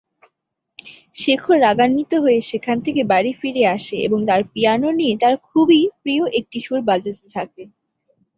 শেখর রাগান্বিত হয়ে সেখান থেকে বাড়ি ফিরে আসে এবং তার পিয়ানো নিয়ে তার খুবই প্রিয় একটি সুর বাজাতে থাকে।